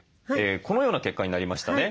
このような結果になりましたね。